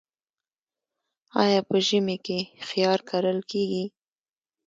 آیا په ژمي کې خیار کرل کیږي؟